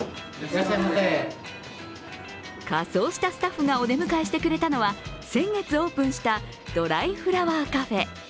仮装したスタッフがお出迎えしてくれたのは、先月オープンしたドライフラワーカフェ。